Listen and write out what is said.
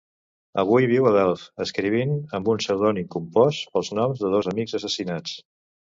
Avui viu a Delft, escrivint amb un pseudònim compost pels noms de dos amics assassinats.